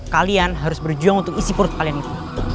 kalian harus berjuang untuk isi perut kalian itu